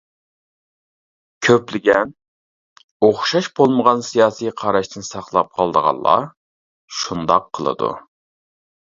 كۆپلىگەن «ئوخشاش بولمىغان سىياسىي قاراشنى ساقلاپ قالىدىغانلار» شۇنداق قىلىدۇ.